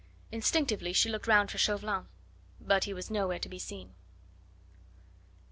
Instinctively she looked round for Chauvelin. But he was nowhere to be seen.